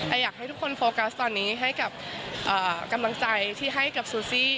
อยากให้ทุกคนโฟกัสตอนนี้ให้กับกำลังใจที่ให้กับซูซี่